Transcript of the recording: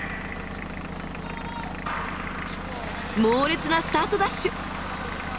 猛烈なスタートダッシュ！